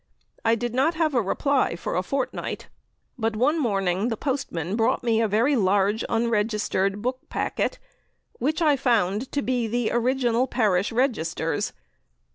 I did not have a reply for a fortnight, but one morning the postman brought me a very large unregistered book packet, which I found to be the original Parish Registers!